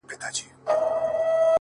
• نو دا شعرونه یې د چا لپاره لیکلي دي؟ ,